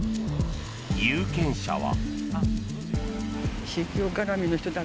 有権者は。